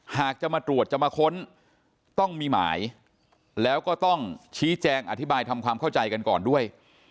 หากจะมาตรวจจะมาค้นต้องมีหมายแล้วก็ต้องชี้แจงอธิบายทำความเข้าใจกันก่อนด้วย